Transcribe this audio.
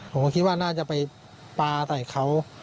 ผมก็คิดว่าน่าจะไปปลาใส่เขา